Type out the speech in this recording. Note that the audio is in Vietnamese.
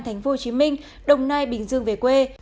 thành phố hồ chí minh đồng nai bình dương về quê